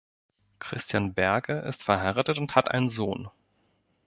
Christian Berge ist verheiratet und hat einen Sohn.